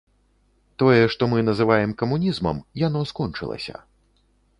Тое, што мы называем камунізмам, яно скончылася.